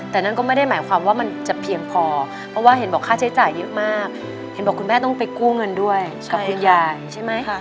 แต่นั่นก็ไม่ได้หมายความว่ามันจะเพียงพอเพราะว่าเห็นบอกค่าใช้จ่ายเยอะมากเห็นบอกคุณแม่ต้องไปกู้เงินด้วยกับคุณยายใช่ไหม